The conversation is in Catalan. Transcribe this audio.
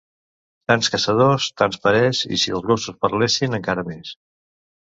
Tants caçadors, tants parers i, si els gossos parlessin, encara més.